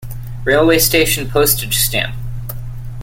Railway station Postage stamp.